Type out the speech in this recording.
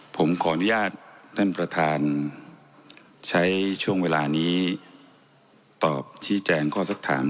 ผมขออนุญาตท่านประธานใช้ช่วงเวลานี้ตอบชี้แจงข้อสักถาม